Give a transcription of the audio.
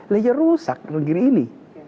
lagi rusak negeri ini